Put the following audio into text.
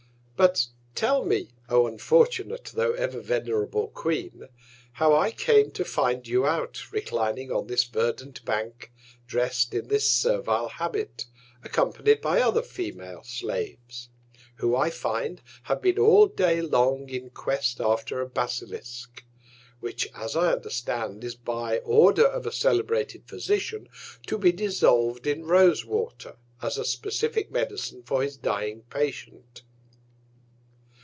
But tell me, O unfortunate, tho' ever venerable Queen, how I came to find you out, reclining on this verdant Bank, dress'd in this servile Habit, accompanied by other Female Slaves, who, I find, have been all Day long in Quest after a Basilisk, which, as I understand, is by Order of a celebrated Physician, to be dissolv'd in Rose water, as a specific Medicine for his dying Patient.